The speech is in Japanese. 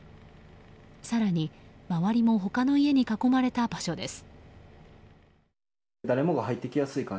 更に、周りも他の家に囲まれた場所です。